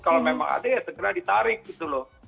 kalau memang ada ya segera ditarik gitu loh